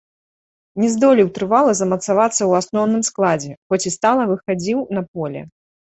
Не здолеў трывала замацавацца ў асноўным складзе, хоць і стала выхадзіў на поле.